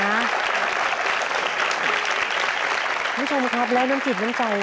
คุณผู้ชมครับและน้ำจิตน้ำใจ